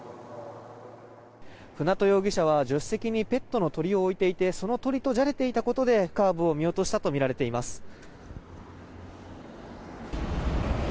舟渡容疑者は助手席にペットの鳥を置いていてその鳥とじゃれていたことでカーブを見落としたとみられています。